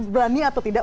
berani atau tidak